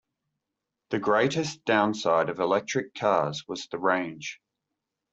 The greatest downside of electric cars was the range.